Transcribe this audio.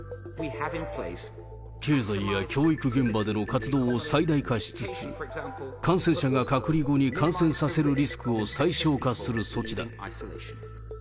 経済や教育現場での活動を最大化しつつ、感染者が隔離後に感染させるリスクを最小化する措置だ。